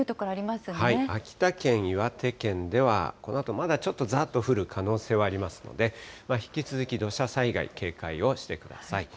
秋田県、岩手県では、このあと、まだちょっとざーっと降る可能性はありますので、引き続き土砂災害、警戒をしてください。